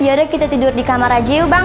yaudah kita tidur di kamar aja yuk bang